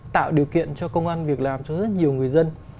tạo điều kiện cho công an việc làm cho rất nhiều người dân